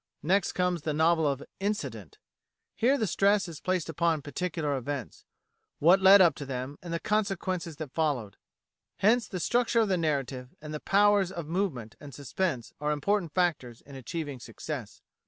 Next comes the novel of Incident. Here the stress is placed upon particular events what led up to them and the consequences that followed hence the structure of the narrative, and the powers of movement and suspense are important factors in achieving success.